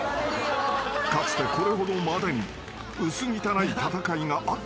［かつてこれほどまでに薄汚い戦いがあっただろうか？］